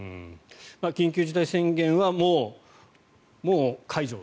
緊急事態宣言はもう解除。